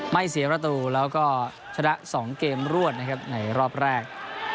เสียประตูแล้วก็ชนะ๒เกมรวดนะครับในรอบแรก